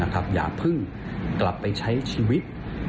การกลับไปใช้ชีวิต